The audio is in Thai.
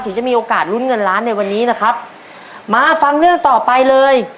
จะมีโอกาสลุ้นเงินล้านในวันนี้นะครับมาฟังเรื่องต่อไปเลย